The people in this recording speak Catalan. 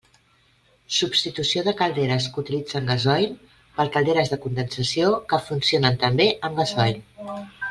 Substitució de calderes que utilitzen gasoil per calderes de condensació que funcionen també amb gasoil.